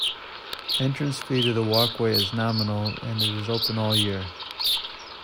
Entrance fee to the walkway is nominal and it is open all year.